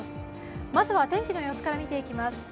まずは天気の様子から見ていきます。